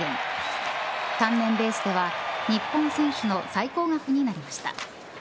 単年ベースでは日本選手の最高額になりました。